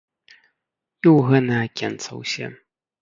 І ў гэнае акенца ўсе.